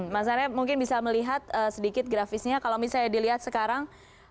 mas arya mungkin bisa melihat sedikit grafisnya kalau misalnya dilihat sekarang